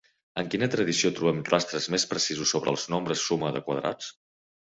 En quina tradició trobem rastres més precisos sobre els nombres suma de quadrats?